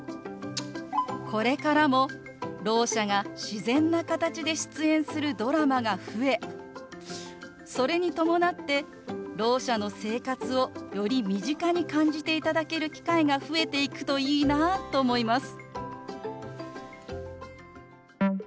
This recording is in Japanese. これからもろう者が自然な形で出演するドラマが増えそれに伴ってろう者の生活をより身近に感じていただける機会が増えていくといいなと思います。